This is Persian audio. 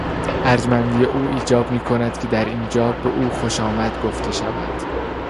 ارجمندی او ایجاب میکند که در اینجا به او خوشآمد گفته شود.